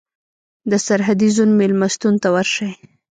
د سرحدي زون مېلمستون ته ورشئ.